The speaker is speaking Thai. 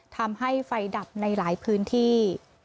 ทำให้ไฟดับในหลายพื้นที่